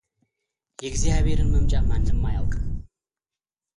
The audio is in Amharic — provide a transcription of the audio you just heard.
የእግዚአብሔርን መምጫ ማንም አያውቅም፡፡